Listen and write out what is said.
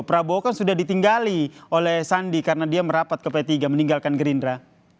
prabowo kan sudah ditinggali oleh sandi karena dia merapat ke p tiga meninggalkan gerindra